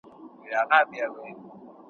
ډېوه به مو په کور کي د رقیب تر سبا نه وي `